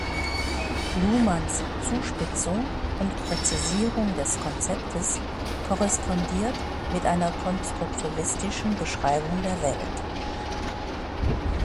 Luhmanns Zuspitzung und Präzisierung des Konzeptes korrespondiert mit einer konstruktivistischen Beschreibung der Welt.